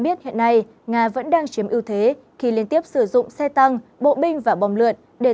biết hiện nay nga vẫn đang chiếm ưu thế khi liên tiếp sử dụng xe tăng bộ binh và bom lượn để